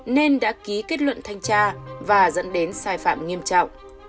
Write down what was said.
nên đã ký kết luận thanh tra và dẫn đến sai phạm nghiêm trọng